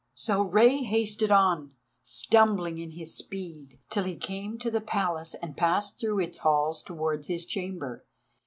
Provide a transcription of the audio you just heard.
So Rei hasted on, stumbling in his speed, till he came to the Palace and passed through its halls towards his chamber.